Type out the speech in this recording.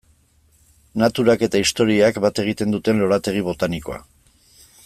Naturak eta historiak bat egiten duten lorategi botanikoa.